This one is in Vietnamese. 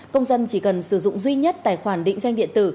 công dân chỉ cần sử dụng duy nhất tài khoản định danh điện tử